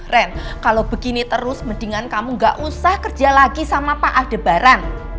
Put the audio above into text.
ren kalau begini terus mendingan kamu gak usah kerja lagi sama pak adebaran